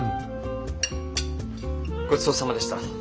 ごちそうさまでした。